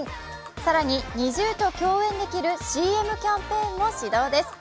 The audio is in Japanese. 更にＮｉｚｉＵと共演できるＣＭキャンペーンも始動です。